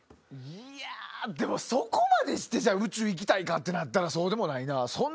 いやでもそこまでして宇宙行きたいかってなったらそうでもないなぁ。